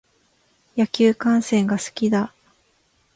野球観戦が好きだ。